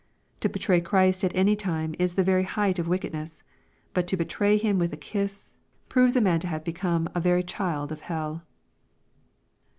To betray Christ at any time is the very height of wickedness, but to betray Him with a kiss, proves a man to have become a very child of hell.